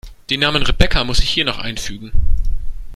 Den Namen Rebecca muss ich hier noch einfügen.